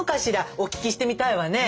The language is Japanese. お聞きしてみたいわね。